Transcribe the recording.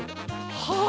はあ。